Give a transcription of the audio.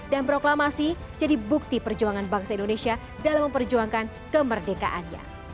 dan proklamasi jadi bukti perjuangan bangsa indonesia dalam memperjuangkan kemerdekaannya